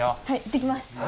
はい行ってきます！